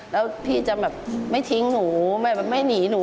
แล้วพี่จะแบบไม่ทิ้งหนูไม่หนีหนู